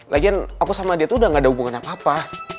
lagian aku sama dia tuh udah gak ada hubungan apa apa